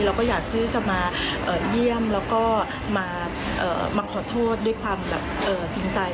เราก็อยากที่จะมาเยี่ยมแล้วก็มาขอโทษด้วยความแบบจริงใจ